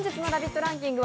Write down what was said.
ランキングは